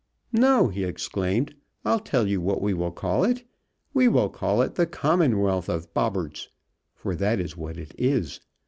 No!" he exclaimed, "I'll tell you what we will call it we will call it the 'Commonwealth of Bobberts,' for that is what it is.